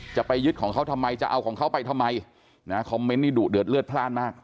จะไปยึดของเขาทำไมจะเอาของเขาไปทำไมนะคอมเมนต์นี่ดุเดือดเลือดพลาดมาก